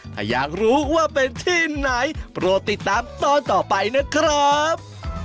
ถ้าอยากรู้ว่าเป็นที่ไหนโปรดติดตามตอนต่อไปนะครับ